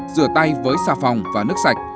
rửa tay với xà phòng và nước sạch